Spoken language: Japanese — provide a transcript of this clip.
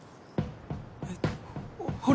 えっ惚れ。